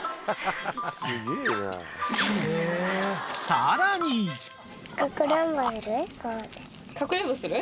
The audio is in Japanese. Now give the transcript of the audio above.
［さらに］かくれんぼする？